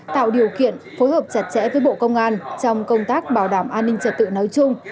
tạo điều kiện phối hợp chặt chẽ với bộ công an trong công tác bảo đảm an ninh trật tự nói chung